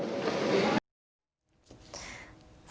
รับอะไรบ้าง